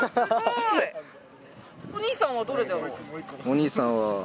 お兄さんは。